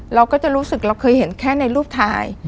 เราก็จะรู้สึกเราเคยเห็นแค่ในรูปถ่าย